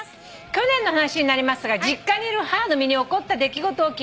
「去年の話になりますが実家にいる母の身に起こった出来事を聞いてください」